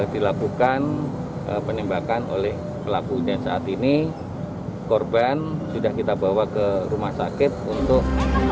dilakukan penembakan oleh pelaku dan saat ini korban sudah kita bawa ke rumah sakit untuk